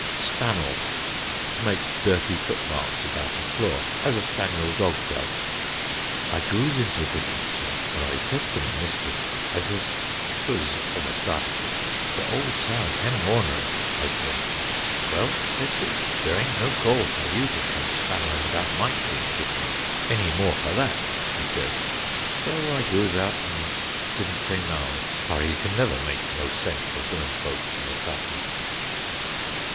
Spannel (To make dirty foot marks about a floor, as a spaniel dog does): "I goos into the kitchen and I says to my mistus, I says ('twas of a Saddaday), 'the old sow's hem ornary,' I says. 'Well,' says she, 'there ain't no call for you to come spanneling about my clean kitchen any more for that,' she says; so I goos out and didn't say naun, for you can't never make no sense of women folks of a Saddaday."